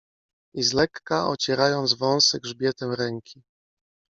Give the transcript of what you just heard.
I z lekka, ocierając wąsy grzbietem ręki